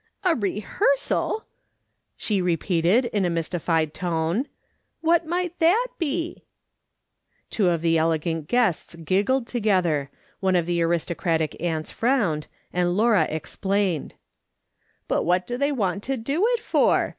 " A rehearsal !" she repeated, in a mystified tone ;" what might that be ?" Two of the elegant guests giggled together, one of the aristocratic aunts frowned, and Laura explained. " But what do they want to do it for